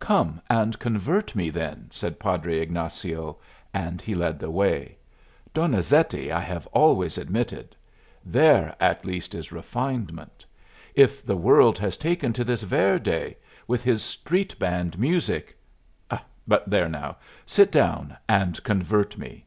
"Come and convert me, then," said Padre Ignazio, and he led the way. "Donizetti I have always admitted. There, at least, is refinement. If the world has taken to this Verdi, with his street band music But there, now! Sit down and convert me.